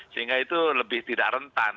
sehingga itu lebih tidak rentan